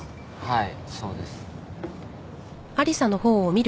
はいそうです。